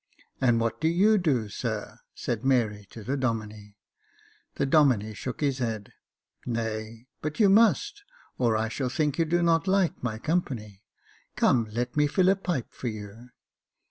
" And what do you do, sir ?" said Mary to the Domine, The Domine shook his head. " Nay, but you must — or I shall think you do not like my company. Come, let me fill a pipe for you."